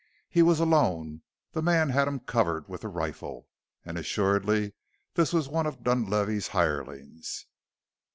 He was alone, the man had him covered with the rifle, and assuredly this was one of Dunlavey's hirelings.